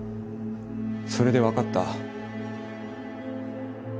それでわかった。